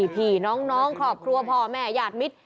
พี่น้องครอบครัวพ่อแม่ญาติมิตร